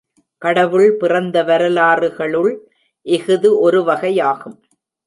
கடவுள் பிறந்த வரலாறுகளுள் இஃது ஒருவகையாகும்.